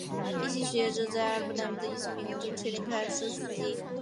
一些学者在阿拉伯南部的一些铭文中确定卡伊斯的事迹。